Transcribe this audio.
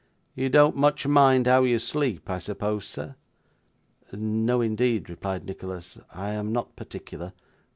'You don't much mind how you sleep, I suppose, sir?' No, indeed,' replied Nicholas, 'I am not particular.